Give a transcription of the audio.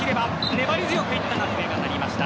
粘り強くいったが笛が鳴りました。